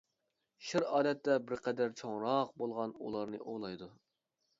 شىر ئادەتتە بىر قەدەر چوڭراق بولغان ئوۋلارنى ئوۋلايدۇ.